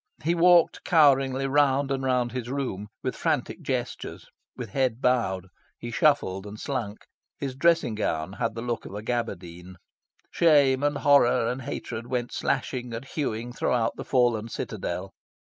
He walked coweringly round and round his room, with frantic gestures, with head bowed. He shuffled and slunk. His dressing gown had the look of a gabardine. Shame and horror and hatred went slashing and hewing throughout the fallen citadel.